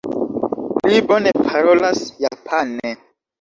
Li bone parolas japane.